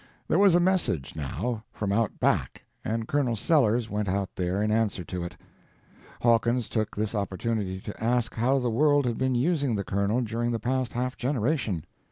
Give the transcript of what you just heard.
There was a message, now, from out back, and Colonel Sellers went out there in answer to it. Hawkins took this opportunity to ask how the world had been using the Colonel during the past half generation.